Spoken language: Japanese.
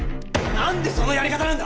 なんでそのやり方なんだ？